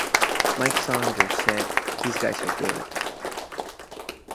Mike Saunders said: These guys are good.